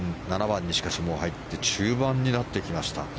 ７番に入って中盤になってきました。